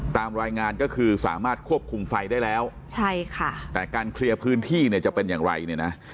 ตามรายงานก็คือสามารถควบคุมไฟได้แล้วใช่ค่ะแต่การเคลียร์พื้นที่เนี่ยจะเป็นอย่างไรเนี่ยนะ